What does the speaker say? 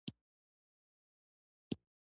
د هر دین پیروانو له خوا فجیع اعمال تر سره کېږي.